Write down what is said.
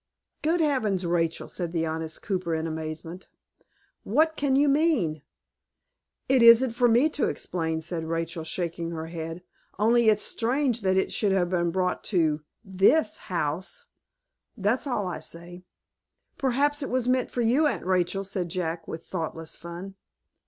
"Good heavens, Rachel!" said the honest cooper, in amazement, "what can you mean?" "It isn't for me to explain," said Rachel, shaking her head; "only it's strange that it should have been brought to this house, that's all I say." "Perhaps it was meant for you, Aunt Rachel," said Jack, with thoughtless fun.